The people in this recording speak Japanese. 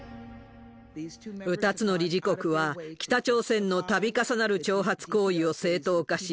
２つの理事国は、北朝鮮のたび重なる挑発行為を正当化し、